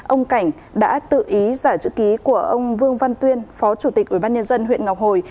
ông cảnh đã tự ý giả chữ ký của ông vương văn tuyên phó chủ tịch ủy ban nhân dân huyện ngọc hồi